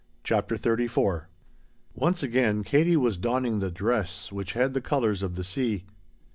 CHAPTER XXXIV Once again Katie was donning the dress which had the colors of the sea.